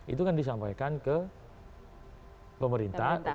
itu kan disampaikan ke pemerintah